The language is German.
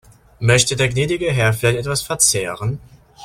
Möchte der gnädige Herr vielleicht etwas verzehren?